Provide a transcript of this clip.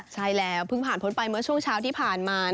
ใช่แล้วเพิ่งผ่านพ้นไปเมื่อช่วงเช้าที่ผ่านมา